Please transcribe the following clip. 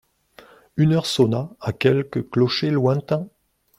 Une heure sonna à quelque clocher lointain.